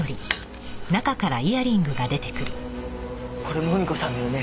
これもふみ子さんのよね？